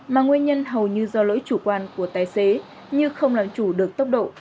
mà nguyên nhân hầu như do lỗi chủ quan của tài xế như không làm chủ được tốc độ